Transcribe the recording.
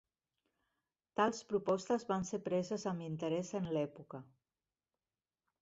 Tals propostes van ser preses amb interès en l'època.